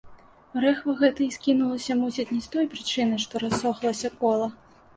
Рэхва гэта і скінулася, мусіць, не з той прычыны, што рассохлася кола.